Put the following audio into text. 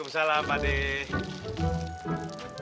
assalamualaikum pak ustaz